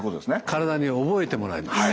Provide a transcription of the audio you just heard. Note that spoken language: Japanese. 体に覚えてもらいます。